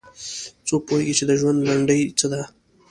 څوک پوهیږي چې د ژوند لنډۍ څه ده